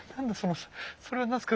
それは何ですか？